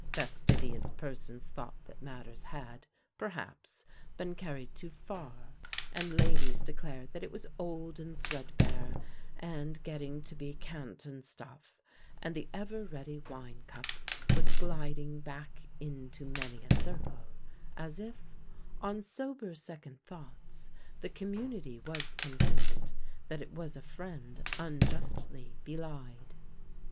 Fastidious persons thought that matters had, perhaps, been carried too far, and ladies declared that it was old and threadbare, and getting to be cant and stuff; and the ever ready wine cup was gliding back into many a circle, as if, on sober second thoughts, the community was convinced that it was a friend unjustly belied.